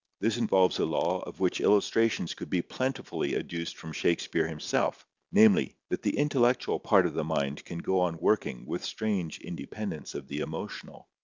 This involves a law of which illustrations could be plentifully adduced from Shakespeare himself, namely, that the intellectual part of the mind can go on working with strange independence of the emotional.